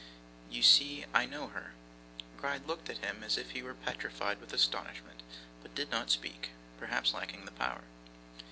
You see I know her.' Gride looked at him as if he were petrified with astonishment, but did not speak; perhaps lacking the power.